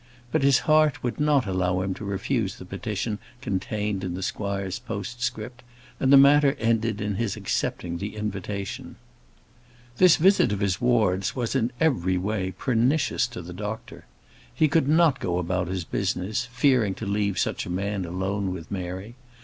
But his heart would not allow him to refuse the petition contained in the squire's postscript, and the matter ended in his accepting the invitation. This visit of his ward's was, in every way, pernicious to the doctor. He could not go about his business, fearing to leave such a man alone with Mary.